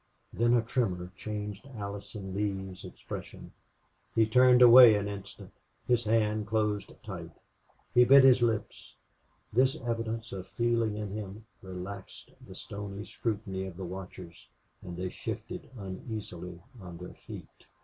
Then a tremor changed Allison Lee's expression. He turned away an instant: his hand closed tight; he bit his lips. This evidence of feeling in him relaxed the stony scrutiny of the watchers, and they shifted uneasily on their feet.